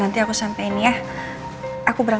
aku masih tak bisa